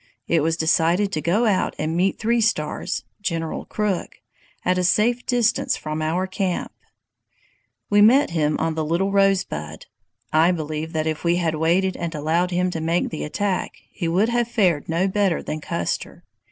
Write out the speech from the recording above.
It was decided to go out and meet Three Stars [General Crook] at a safe distance from our camp. "We met him on the Little Rosebud. I believe that if we had waited and allowed him to make the attack, he would have fared no better than Custer.